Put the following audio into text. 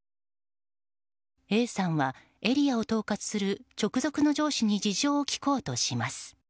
Ａさんはエリアを統括する直属の上司に事情を聴こうとします。